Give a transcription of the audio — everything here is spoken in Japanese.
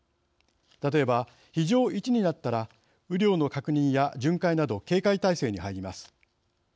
例えば「非常１」になったら雨量の確認や巡回など警戒体制に入ります。